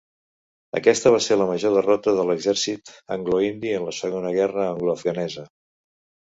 Aquesta va ser la major derrota de l'exèrcit angloindi en la segona guerra angloafganesa.